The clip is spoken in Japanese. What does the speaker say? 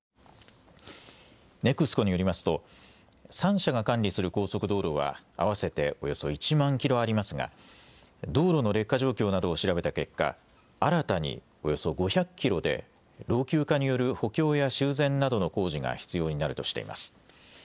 ＮＥＸＣＯによりますと３社が管理する高速道路は合わせておよそ１万キロありますが道路の劣化状況などを調べた結果、新たにおよそ５００キロで老朽化による補強や修繕などの工事が必要になるとしています。